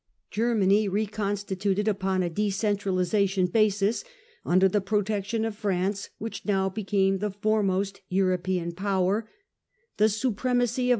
Germany reconstituted upon a decentralisation basis, under the protection of France, which now became the Summary of foremost European power ; the supremacy of the peace.